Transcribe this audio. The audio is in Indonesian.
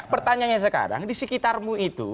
pertanyaannya sekarang di sekitarmu itu